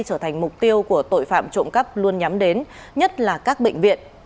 trở thành mục tiêu của tội phạm trộm cắp luôn nhắm đến nhất là các bệnh viện